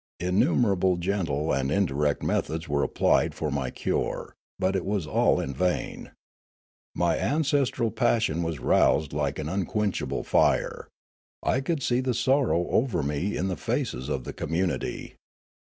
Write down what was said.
Innumerable gentle and indirect methods were applied for my cure; but it was all in vain. M}^ ancestral passion was roused like an un quenchable fire. I could see the sorrow over me in the faces of the community.